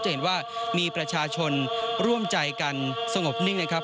จะเห็นว่ามีประชาชนร่วมใจกันสงบนิ่งนะครับ